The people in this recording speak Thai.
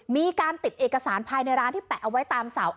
มีการติดเอกสารภายในร้านที่แปะเอาไว้ตามเสา